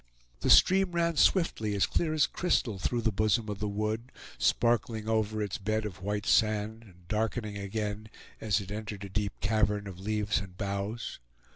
The stream ran swiftly, as clear as crystal, through the bosom of the wood, sparkling over its bed of white sand and darkening again as it entered a deep cavern of leaves and boughs.